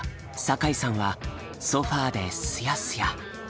酒井さんはソファーでスヤスヤ。